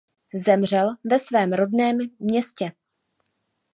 Zemřel ve svém rodném městě.